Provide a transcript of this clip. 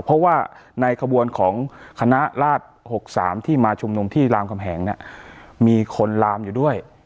เพราะว่าในขบวนของคณะราช๖๓ที่มาชุมนุมที่รามคำแหงเนี่ยมีคนลามอยู่ด้วย